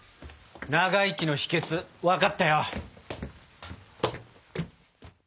長生きの秘訣分かったよ。